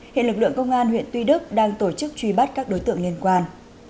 hiện lực lượng công an huyện tuy đức đang tổ chức truy bắt các đối tượng liên quan